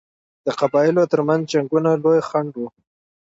د قبایلو ترمنځ جنګونه لوی خنډ وو.